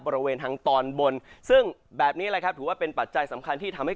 บริเวณทางตอนบนซึ่งแบบนี้แหละครับถือว่าเป็นปัจจัยสำคัญที่ทำให้